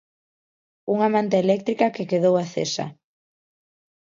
Unha manta eléctrica que quedou acesa.